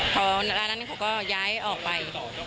พอนั้นเขาก็ย้ายออกไป